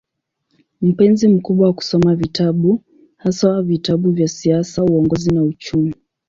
Mpenzi mkubwa wa kusoma vitabu, haswa vitabu vya siasa, uongozi na uchumi.